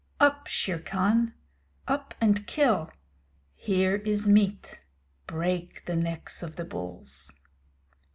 Up, Shere Khan! Up and kill! Here is meat; break the necks of the bulls.